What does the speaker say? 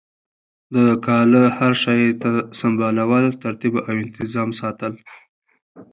د کاله هر شی سمبالول ترتیب او انتظام ساتل